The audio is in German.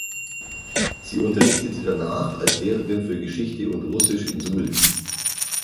Sie unterrichtete danach als Lehrerin für Geschichte und Russisch in Suhl.